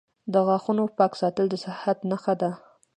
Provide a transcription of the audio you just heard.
• د غاښونو پاک ساتل د صحت نښه ده.